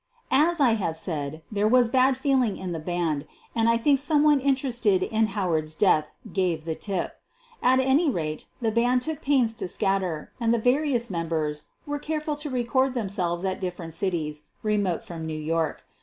As I have said, there was bad feeling in the band and I think someone interested in Howard's death gave the tip. At any rate, the band took pains to scatter, and the various members were careful to record themselves at different cities remote from New York.